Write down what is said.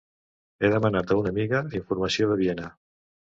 He demanat a una amiga informació de Viena.